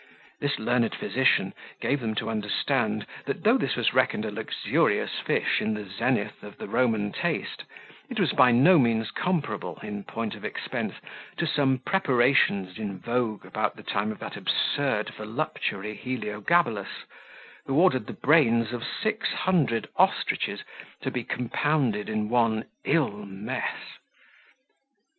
This learned physician gave them to understand, that though this was reckoned a luxurious fish in the zenith of the Roman taste, it was by no means comparable, in point of expense, to some preparations in vogue about the time of that absurd voluptuary Heliogabalus, who ordered the brains of six hundred ostriches to be compounded in one illness.